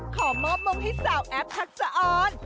ขอมอบมงให้สาวแอฟทักษะออน